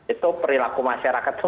itu perilaku masyarakat itu